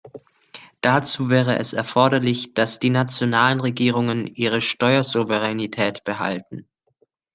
Dazu wäre es erforderlich, dass die nationalen Regierungen ihre Steuersouveränität behalten.